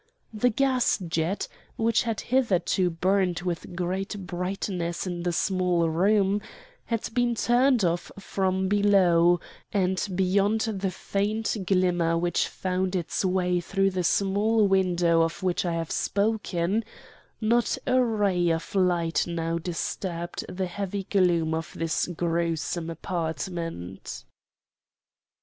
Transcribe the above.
The gas jet, which had hitherto burned with great brightness in the small room, had been turned off from below, and beyond the faint glimmer which found its way through the small window of which I have spoken, not a ray of light now disturbed the heavy gloom of this gruesome apartment.